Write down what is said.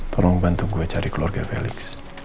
tolong bantu gue cari keluarga felix